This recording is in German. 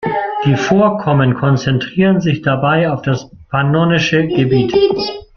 Die Vorkommen konzentrieren sich dabei auf das pannonische Gebiet.